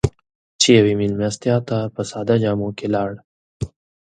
چې يوې مېلمستیا ته په ساده جامو کې لاړ.